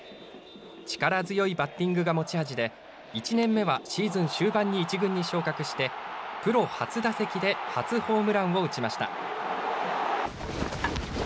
力強いバッティングが持ち味で、１年目はシーズン終盤に１軍に昇格してプロ初打席で初ホームランを打ちました。